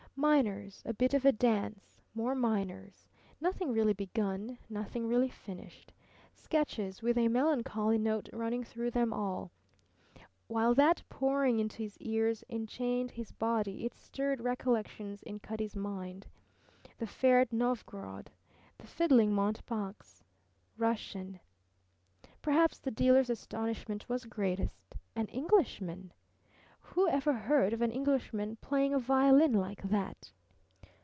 Minors; a bit of a dance; more minors; nothing really begun, nothing really finished sketches, with a melancholy note running through them all. While that pouring into his ears enchained his body it stirred recollections in Cutty's mind: The fair at Novgorod; the fiddling mountebanks; Russian. Perhaps the dealer's astonishment was greatest. An Englishman! Who ever heard of an Englishman playing a violin like that?